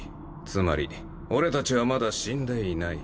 つまり俺たちはまだ死んでいない。